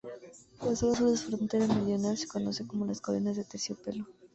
La zona sur de su frontera meridional se conoce como las Colinas de Terciopelo.